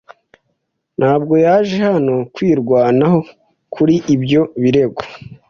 Ntabwo yaje hano kwirwanaho kuri ibyo birego.